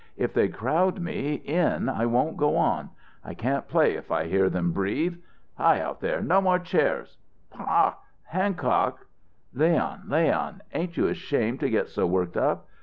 If they crowd me in I won't go on. I can't play if I hear them breathe. Hi out there no more chairs pa Hancock " "Leon, Leon, ain't you ashamed to get so worked up?